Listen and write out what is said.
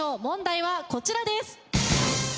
問題はこちらです。